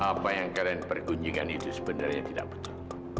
apa yang kalian perkunjungkan itu sebenarnya tidak betul